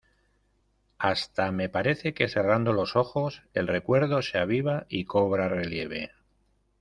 hasta me parece que cerrando los ojos, el recuerdo se aviva y cobra relieve.